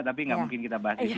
tapi gak mungkin kita bahas disini